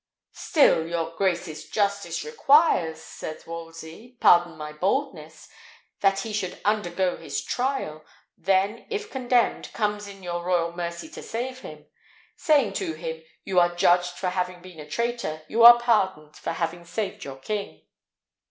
"Still, your grace's justice requires," said Wolsey (pardon me my boldness), "that he should undergo his trial. Then, if condemned, comes in your royal mercy to save him; saying to him, You are judged for having been a traitor, you are pardoned for having saved your king."